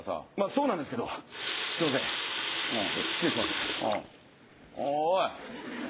そうなんですけどすいません、失礼します。